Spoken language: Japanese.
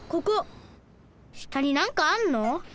したになんかあんの？